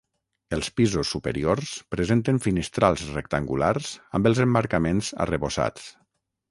Els pisos superiors presenten finestrals rectangulars amb els emmarcaments arrebossats.